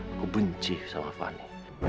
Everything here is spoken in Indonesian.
aku benci sama fani